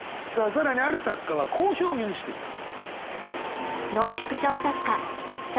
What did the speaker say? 更にある作家はこう表現しています。